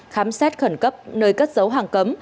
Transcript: khám xét khẩn cấp nơi cất giấu hàng cấm